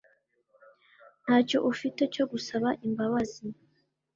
ntacyo ufite cyo gusaba imbabazi